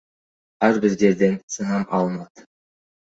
Ар бир жерден сынам алынат.